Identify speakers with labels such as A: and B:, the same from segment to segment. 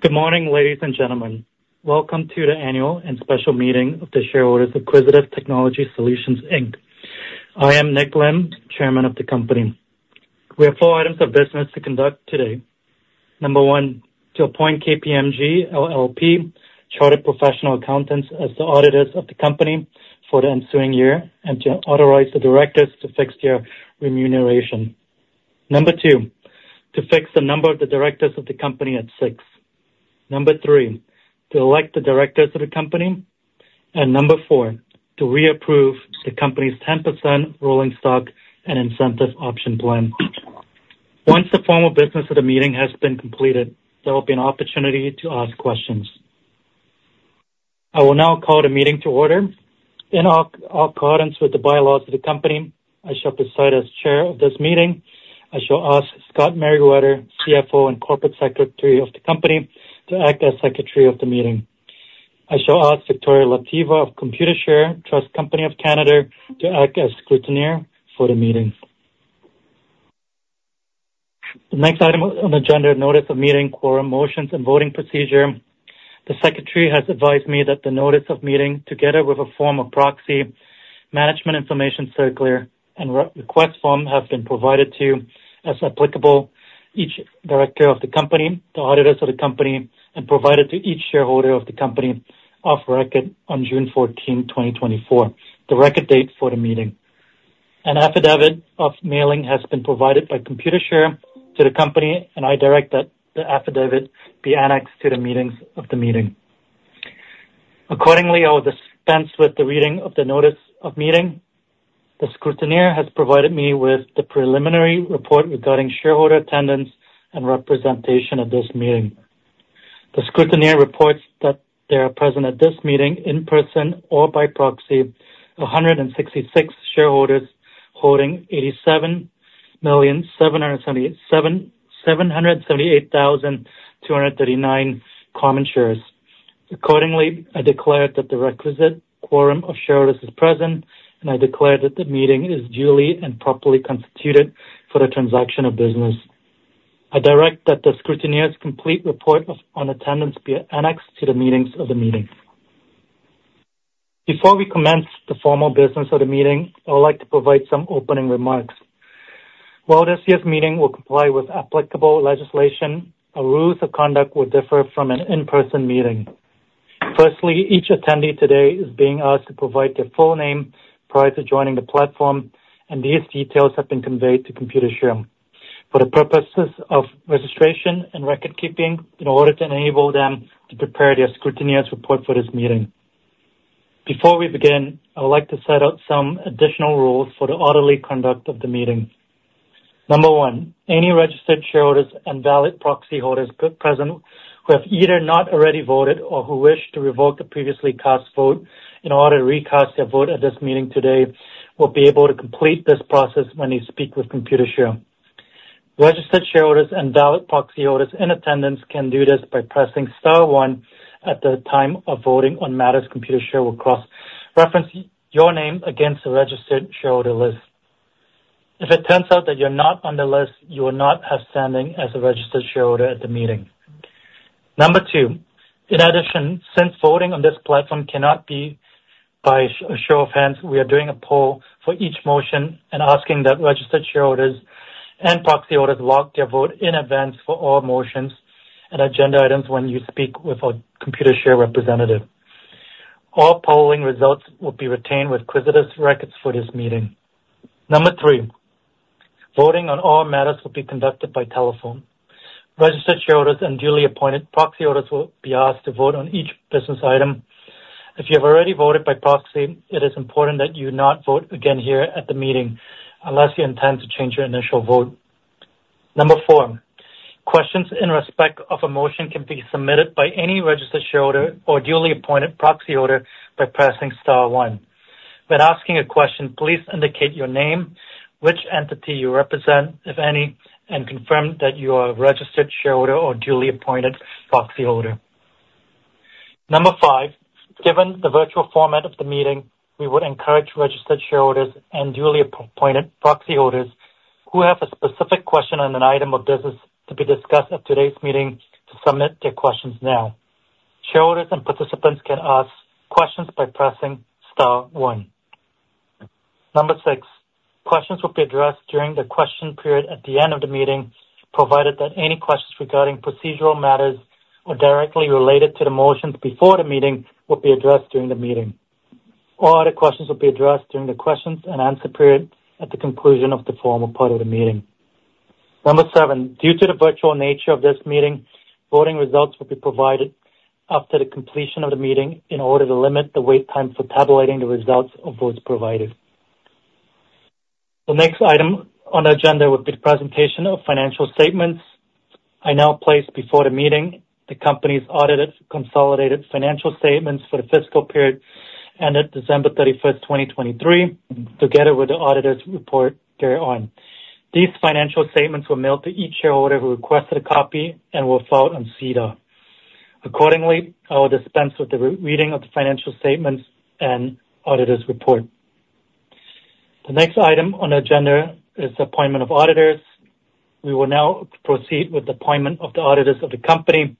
A: Good morning, ladies and gentlemen. Welcome to the annual and special meeting of the shareholders of Quisitive Technology Solutions Inc. I am Nick Lim, Chairman of the company. We have four items of business to conduct today. Number one, to appoint KPMG LLP chartered professional accountants as the auditors of the company for the ensuing year and to authorize the directors to fix their remuneration. Number two, to fix the number of the directors of the company at six. Number three, to elect the directors of the company. Number four, to reapprove the company's 10% rolling stock and incentive option plan. Once the formal business of the meeting has been completed, there will be an opportunity to ask questions. I will now call the meeting to order. In all accordance with the bylaws of the company, I shall preside as chair of this meeting. I shall ask Scott Meriwether, CFO and Corporate Secretary of the company, to act as secretary of the meeting. I shall ask Victoria Lateva of Computershare Trust Company of Canada to act as scrutineer for the meeting. The next item on the agenda, notice of meeting quorum, motions, and voting procedure. The secretary has advised me that the notice of meeting, together with a form of proxy, management information circular, and request form have been provided to, as applicable, each director of the company, the auditors of the company, and provided to each shareholder of the company off record on June 14, 2024, the record date for the meeting. An affidavit of mailing has been provided by Computershare to the company. I direct that the affidavit be annexed to the meetings of the meeting. I will dispense with the reading of the notice of meeting. The scrutineer has provided me with the preliminary report regarding shareholder attendance and representation at this meeting. The scrutineer reports that they are present at this meeting in person or by proxy 166 shareholders holding 87,778,239 common shares. Accordingly, I declare that the requisite quorum of shareholders is present, and I declare that the meeting is duly and properly constituted for the transaction of business. I direct that the scrutineer's complete report on attendance be annexed to the meetings of the meeting. Before we commence the formal business of the meeting, I would like to provide some opening remarks. While this year's meeting will comply with applicable legislation, our rules of conduct will differ from an in-person meeting. Firstly, each attendee today is being asked to provide their full name prior to joining the platform, and these details have been conveyed to Computershare for the purposes of registration and record-keeping in order to enable them to prepare their scrutineer's report for this meeting. Before we begin, I would like to set out some additional rules for the orderly conduct of the meeting. Number one, any registered shareholders and valid proxy holders present who have either not already voted or who wish to revoke the previously cast vote in order to recast their vote at this meeting today will be able to complete this process when you speak with Computershare. Registered shareholders and valid proxy holders in attendance can do this by pressing star one at the time of voting on matters Computershare will cross-reference your name against the registered shareholder list. If it turns out that you're not on the list, you will not have standing as a registered shareholder at the meeting. Number two, in addition, since voting on this platform cannot be by show of hands, we are doing a poll for each motion and asking that registered shareholders and proxy holders lock their vote in advance for all motions and agenda items when you speak with a Computershare representative. All polling results will be retained with Quisitive's records for this meeting. Number three, voting on all matters will be conducted by telephone. Registered shareholders and duly appointed proxy holders will be asked to vote on each business item. If you have already voted by proxy, it is important that you not vote again here at the meeting unless you intend to change your initial vote. Number four, questions in respect of a motion can be submitted by any registered shareholder or duly appointed proxy holder by pressing star one. When asking a question, please indicate your name, which entity you represent, if any, and confirm that you are a registered shareholder or duly appointed proxy holder. Number five, given the virtual format of the meeting, we would encourage registered shareholders and duly appointed proxy holders who have a specific question on an item of business to be discussed at today's meeting to submit their questions now. Shareholders and participants can ask questions by pressing star one. Number six, questions will be addressed during the question period at the end of the meeting, provided that any questions regarding procedural matters or directly related to the motions before the meeting will be addressed during the meeting. All other questions will be addressed during the questions and answer period at the conclusion of the formal part of the meeting. Number seven, due to the virtual nature of this meeting, voting results will be provided after the completion of the meeting in order to limit the wait time for tabulating the results of votes provided. The next item on the agenda will be the presentation of financial statements. I now place before the meeting the company's audited consolidated financial statements for the fiscal period ended December 31st, 2023, together with the auditor's report thereon. These financial statements were mailed to each shareholder who requested a copy and will follow on SEDAR. Accordingly, I will dispense with the reading of the financial statements and auditor's report. The next item on the agenda is appointment of auditors. We will now proceed with the appointment of the auditors of the company.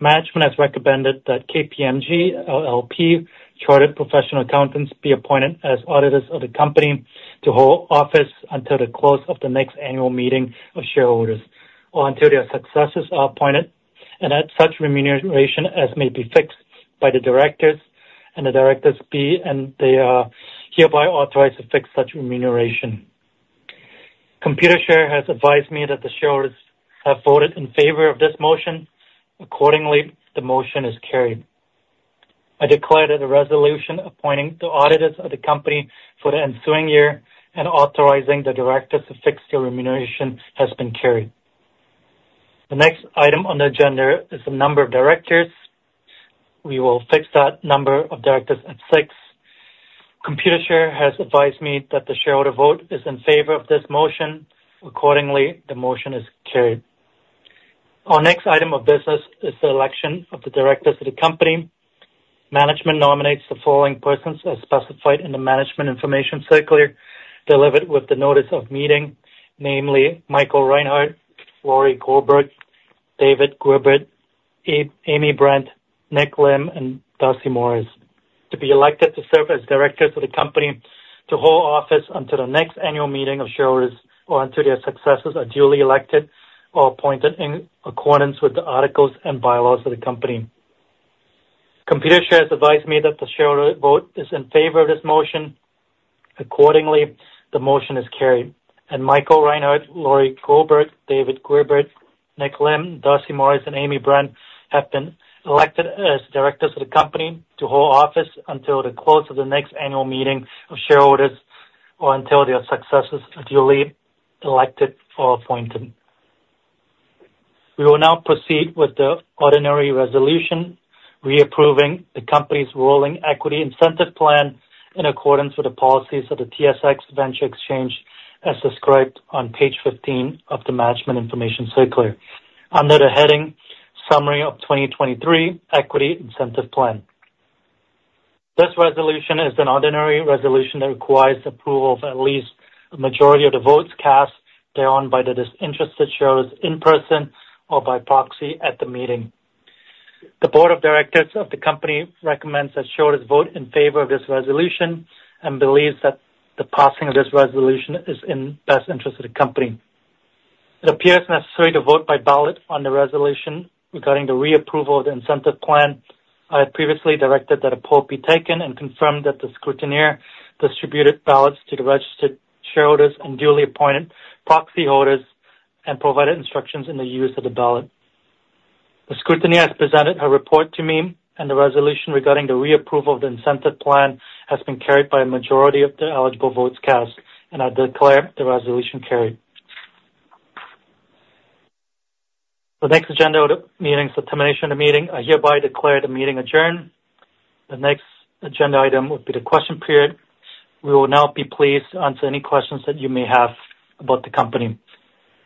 A: Management has recommended that KPMG LLP Chartered Professional Accountants be appointed as auditors of the company to hold office until the close of the next annual meeting of shareholders or until their successors are appointed and at such remuneration as may be fixed by the directors and the directors be, and they are hereby authorized to fix such remuneration. Computershare has advised me that the shareholders have voted in favor of this motion. Accordingly, the motion is carried. I declare that the resolution appointing the auditors of the company for the ensuing year and authorizing the directors to fix their remuneration has been carried. The next item on the agenda is the number of directors. We will fix that number of directors at six. Computershare has advised me that the shareholder vote is in favor of this motion. Accordingly, the motion is carried. Our next item of business is the election of the directors of the company. Management nominates the following persons as specified in the management information circular delivered with the notice of meeting, namely Mike Reinhart, Laurie Goldberg, Dave Guebert, Amy Brandt, Nick Lim, and Darcy Morris, to be elected to serve as directors of the company to hold office until the next annual meeting of shareholders or until their successors are duly elected or appointed in accordance with the articles and bylaws of the company. Computershare has advised me that the shareholder vote is in favor of this motion. Accordingly, the motion is carried, and Mike Reinhart, Laurie Goldberg, Dave Guebert, Nick Lim, Darcy Morris, and Amy Brandt have been elected as directors of the company to hold office until the close of the next annual meeting of shareholders or until their successors are duly elected or appointed. We will now proceed with the ordinary resolution, reapproving the company's rolling equity incentive plan in accordance with the policies of the TSX Venture Exchange, as described on page 15 of the management information circular under the heading Summary of 2023 Equity Incentive Plan. This resolution is an ordinary resolution that requires approval of at least a majority of the votes cast thereon by the disinterested shareholders in person or by proxy at the meeting. The board of directors of the company recommends that shareholders vote in favor of this resolution and believes that the passing of this resolution is in the best interest of the company. It appears necessary to vote by ballot on the resolution regarding the reapproval of the incentive plan. I have previously directed that a poll be taken and confirmed that the scrutineer distributed ballots to the registered shareholders and duly appointed proxy holders and provided instructions in the use of the ballot. The scrutineer has presented her report to me, and the resolution regarding the reapproval of the incentive plan has been carried by a majority of the eligible votes cast, and I declare the resolution carried. The next agenda item, meeting's termination of meeting. I hereby declare the meeting adjourned. The next agenda item would be the question period. We will now be pleased to answer any questions that you may have about the company.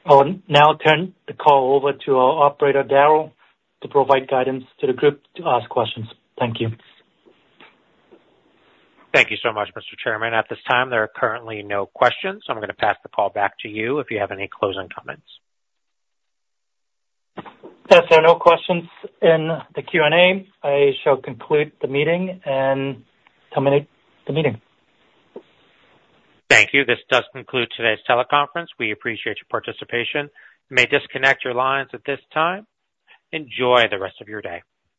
A: I will now turn the call over to our operator, Daryl, to provide guidance to the group to ask questions. Thank you.
B: Thank you so much, Mr. Chairman. At this time, there are currently no questions. I'm gonna pass the call back to you if you have any closing comments.
A: As there are no questions in the Q&A, I shall conclude the meeting and terminate the meeting.
B: Thank you. This does conclude today's teleconference. We appreciate your participation. You may disconnect your lines at this time. Enjoy the rest of your day.